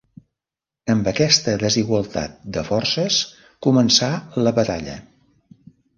Amb aquesta desigualtat de forces començà la batalla.